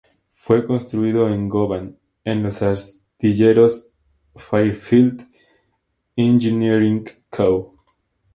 Fue construido en Govan, en los astilleros Fairfield Engineering Co.